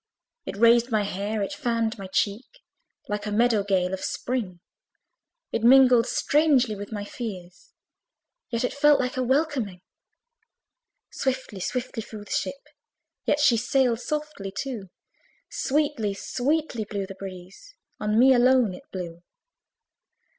It raised my hair, it fanned my cheek Like a meadow gale of spring It mingled strangely with my fears, Yet it felt like a welcoming. Swiftly, swiftly flew the ship, Yet she sailed softly too: Sweetly, sweetly blew the breeze On me alone it blew.